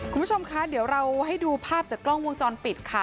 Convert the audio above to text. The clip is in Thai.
คุณผู้ชมคะเดี๋ยวเราให้ดูภาพจากกล้องวงจรปิดค่ะ